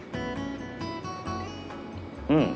うん！